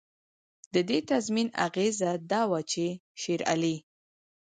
د دې تضمین اغېزه دا وه چې شېرعلي.